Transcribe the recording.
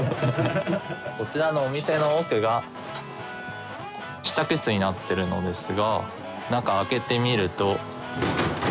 こちらのお店の奥が試着室になってるのですが中開けてみると。